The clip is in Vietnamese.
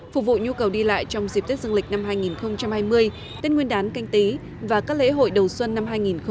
phục vụ nhu cầu đi lại trong dịp tết dương lịch năm hai nghìn hai mươi tết nguyên đán canh tí và các lễ hội đầu xuân năm hai nghìn hai mươi